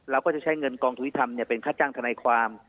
เราก็จะใช้เงินกองทุนธรรมเป็นค่าจ้างทนายความ